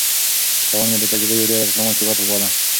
تاوان مې د تجربې یو ډېر ارزښتناک قیمت وباله.